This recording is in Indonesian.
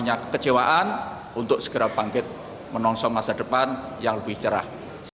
punya kekecewaan untuk segera bangkit menongsong masa depan yang lebih cerah